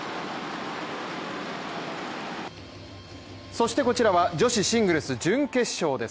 そしてこちらは女子シングルス準決勝です。